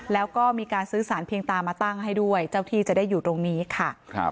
แล้วก็มีการซื้อสารเพียงตามาตั้งให้ด้วยเจ้าที่จะได้อยู่ตรงนี้ค่ะ